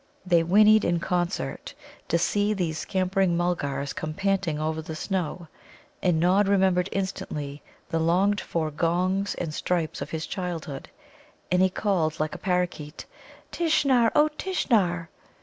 They whinnied in concert to see these scampering Mulgars come panting over the snow. And Nod remembered instantly the longed for gongs and stripes of his childhood, and he called like a parakeet: "Tishnar, O Tishnar!"